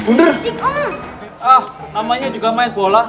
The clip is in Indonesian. namanya juga main bola